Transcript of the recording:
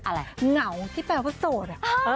เหงาที่แปลว่าโสด